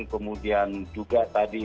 kemudian juga tadi